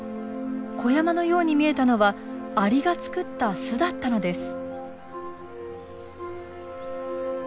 小山のように見えたのはアリが作った巣だったのです。